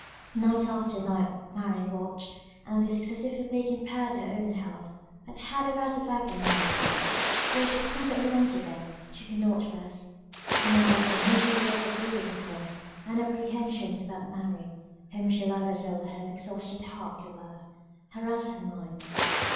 Night after night Mary watched, and this excessive fatigue impaired her own health, but had a worse effect on Ann; though she constantly went to bed, she could not rest; a number of uneasy thoughts obtruded themselves; and apprehensions about Mary, whom she loved as well as her exhausted heart could love, harassed her mind.